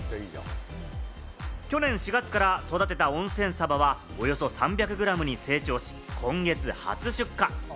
去年４月から育てた温泉サバはおよそ３００グラムに成長し、今月、初出荷。